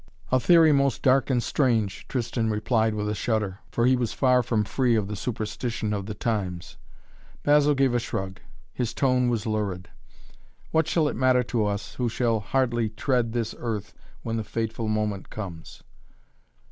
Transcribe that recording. "A theory most dark and strange," Tristan replied with a shudder, for he was far from free of the superstition of the times. Basil gave a shrug. His tone was lurid. "What shall it matter to us, who shall hardly tread this earth when the fateful moment comes?"